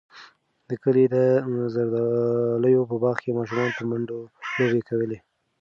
د کلي د زردالیو په باغ کې ماشومانو په منډو لوبې کولې.